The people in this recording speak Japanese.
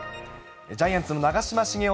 ジャイアンツの長嶋茂雄